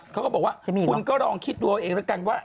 เขาก็บอกว่าคุณก็ลองคิดดูเอาเองแล้วกันว่า